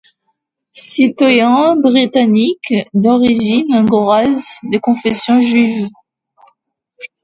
Citoyen Britannique d’origine hongroise de confession juive.